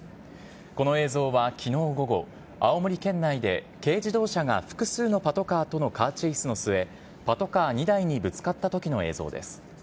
この映像はきのう午後、青森県内で軽自動車が複数のパトカーとのカーチェイスの末、パトカー２台にぶつかったときの映像です。